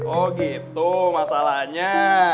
oh gitu masalahnya